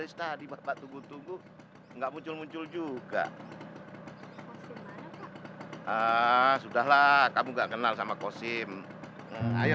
sudah lah kamu gak kenal sama kosim ayo